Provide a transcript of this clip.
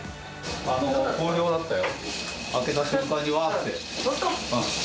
好評だったよ。